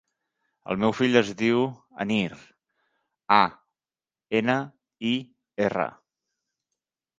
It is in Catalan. El meu fill es diu Anir: a, ena, i, erra.